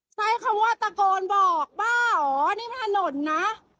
ใช้คำว่าตะโกนบอกบ้าเหรอนี่ถนนนะ